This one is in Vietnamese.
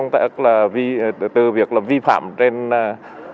từ việc vi phạm trên lĩnh vực